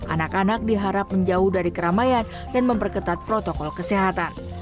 anak anak diharap menjauh dari keramaian dan memperketat protokol kesehatan